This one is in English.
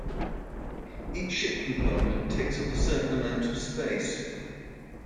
Each ship component takes up a certain amount of space.